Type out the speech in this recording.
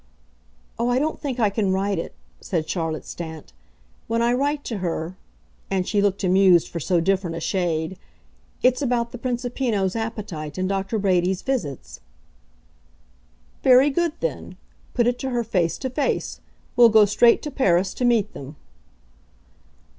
"Oh, I don't think I can write it," said Charlotte Stant. "When I write to her" and she looked amused for so different a shade "it's about the Principino's appetite and Dr. Brady's visits." "Very good then put it to her face to face. We'll go straight to Paris to meet them."